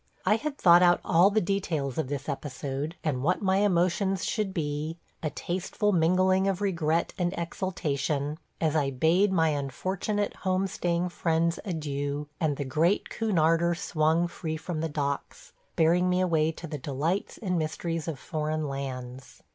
I had thought out all the details of this episode, and what my emotions should be – a tasteful mingling of regret and exultation – as I bade my unfortunate home staying friends adieu, and the great Cunarder swung free from the docks, bearing me away to the delights and mysteries of foreign lands.